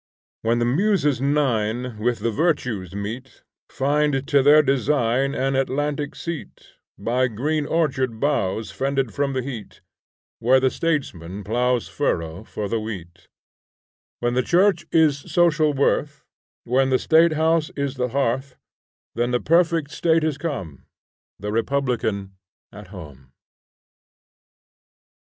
When the Muses nine With the Virtues meet, Find to their design An Atlantic seat, By green orchard boughs Fended from the heat, Where the statesman ploughs Furrow for the wheat; When the Church is social worth, When the state house is the hearth, Then the perfect State is come, The republican at home.